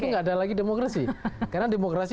tidak ada lagi demokrasi karena demokrasi